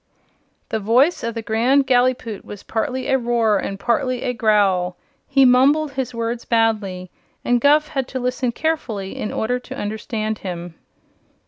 The voice of the Grand Gallipoot was partly a roar and partly a growl. He mumbled his words badly and Guph had to listen carefully in order to understand him.